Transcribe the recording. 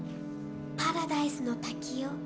パラダイスの滝よ